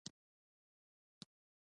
ایا بل ناروغ لرئ؟